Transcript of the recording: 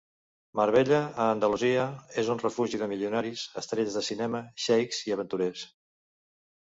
Marbella, a Andalusia, és un refugi de milionaris, estrelles de cinema, xeics i aventurers.